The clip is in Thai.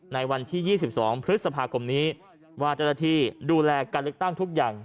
ในวันที่๒๒พฤษภาคมนี้ว่าเจ้าหน้าที่ดูแลการเลือกตั้งทุกอย่าง